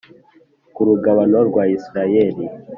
Ku rugabano rwa isirayeli